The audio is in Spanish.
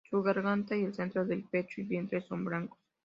Su garganta, y el centro del pecho y vientre son blancos.